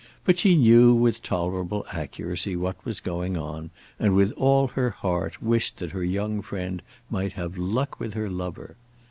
But she knew with tolerable accuracy what was going on, and with all her heart wished that her young friend might have luck with her lover.